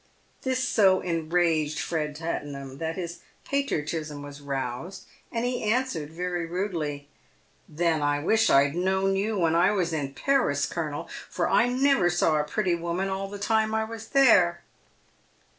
This so enraged Fred Tattenham, that his patriotism was roused, and he answered, very rudely, " Then I wish I'd known you when I was in Paris, colonel, for I never saw a pretty woman all the time I was there."